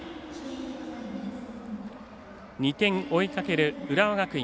２点追いかける浦和学院。